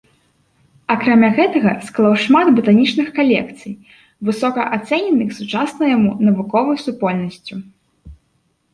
Акрамя гэтага склаў шмат батанічных калекцый, высока ацэненых сучаснай яму навуковай супольнасцю.